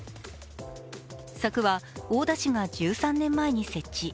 柵は大田市が１３年前に設置。